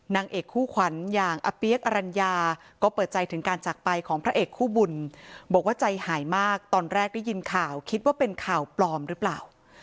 นางเอกคู่ขวัญอย่างอาเปี๊ยกอรัญญาก็เปิดใจถึงการจากไปของพระเอกคู่บุญบอกว่าใจหายมากตอนแรกได้ยินข่าวคิดว่าเป็นข่าวปลอมหรือเปล่า